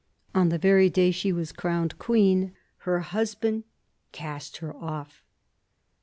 On the very day she was crowned queen, her husband cast her off.